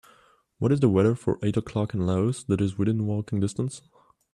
What is the weather for eight o'clock in Laos that is within walking distance